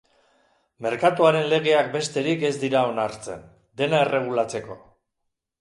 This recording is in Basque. Merkatuaren legeak besterik ez dira onartzen, dena erregulatzeko.